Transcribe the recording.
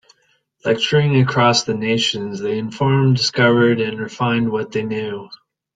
Lecturing across the nation, they informed, discovered, and refined what they knew.